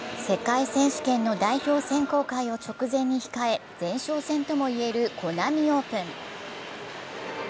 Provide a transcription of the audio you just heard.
世界選手権の代表選考会を直前に控え前哨戦ともいえるコナミオープン。